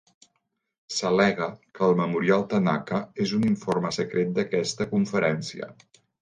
S'al·lega que el Memorial Tanaka és un informe secret d'aquesta conferència.